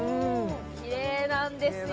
きれいなんですよ